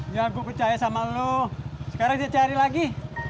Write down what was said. ya gue percaya sama lu sekarang saya cari lagi